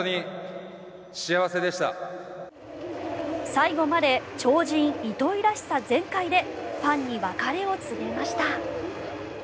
最後まで超人・糸井らしさ全開でファンに別れを告げました。